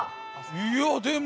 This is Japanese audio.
いやでも。